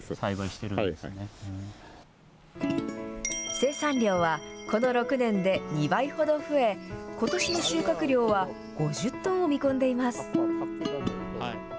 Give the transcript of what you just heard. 生産量は、この６年で２倍ほど増え、ことしの収穫量は５０トンを見込んでいます。